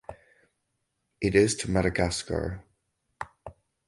It is to Madagascar.